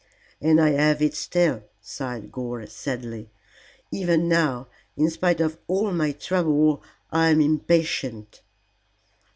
And I have it still," sighed Gore, sadly; "even now in spite of all my trouble I am impatient."